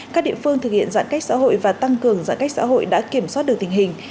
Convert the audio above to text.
các địa phương thực hiện giãn cách xã hội và tăng cường giãn cách xã hội đã kiểm soát được tình hình